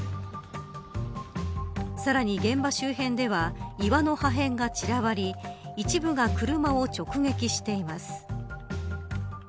さらに現場周辺では岩の破片が散らばり一部が車を直撃しています。